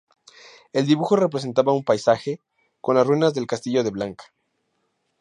El dibujo representaba un paisaje con las ruinas del castillo de Blanca.